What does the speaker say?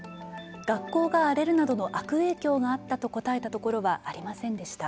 学校が荒れるなどの悪影響があったと答えたところはありませんでした。